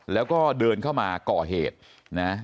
แล้วก็เดินเข้ามาก่อเหตุนะ